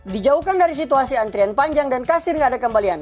dijauhkan dari situasi antrian panjang dan kasir nggak ada kembalian